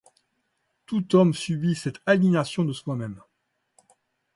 Tout homme subit cette aliénation de soi-même.